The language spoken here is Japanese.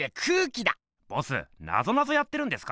ボスなぞなぞやってるんですか？